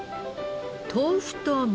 豆腐と味